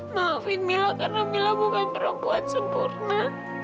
maafin mila karena mila bukan perempuan sempurna